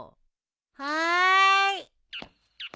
はい。